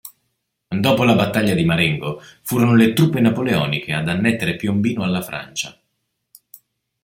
Dopo la battaglia di Marengo furono le truppe napoleoniche ad annettere Piombino alla Francia.